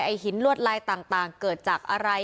หินลวดลายต่างเกิดจากอะไร